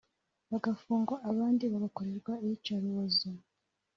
bagafungwa abandi bagakorerwa iyicarubozo